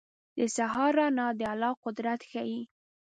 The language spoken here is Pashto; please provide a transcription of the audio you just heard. • د سهار رڼا د الله قدرت ښيي.